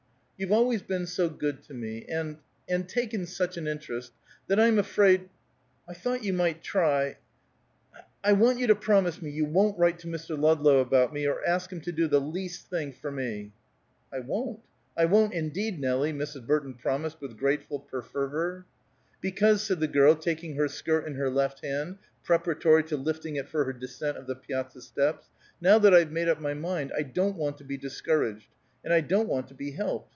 "You've always been so good to me and and taken such an interest, that I'm afraid I thought you might try I want you to promise me you won't write to Mr. Ludlow about me, or ask him to do the least thing, for me!" "I won't, I won't indeed, Nelie!" Mrs. Burton promised with grateful perfervor. "Because," said the girl, taking her skirt in her left hand, preparatory to lifting it for her descent of the piazza steps, "now that I've made up my mind, I don't want to be discouraged, and I don't want to be helped.